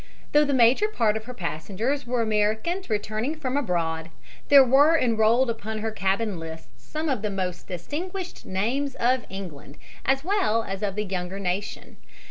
Though the major part of her passengers were Americans returning from abroad, there were enrolled upon her cabin lists some of the most distinguished names of England, as well as of the younger nation.